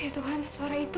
tuhan suara itu